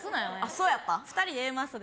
そうやった？